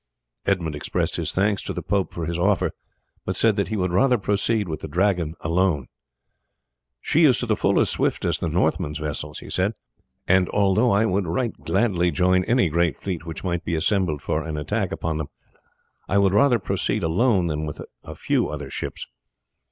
Edmund expressed his thanks to the pope for his offer, but said that he would rather proceed with the Dragon alone. "She is to the full as swift as the Northmen's vessels," he said; "and although I would right gladly join any great fleet which might be assembled for an attack upon them, I would rather proceed alone than with a few other ships.